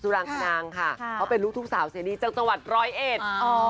สุรางคณังค่ะเขาเป็นลูกทุกสาวซีรีส์จากจังหวัดร้อยเอช